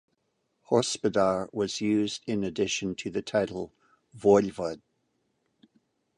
"Hospodar" was used in addition to the title "voivod".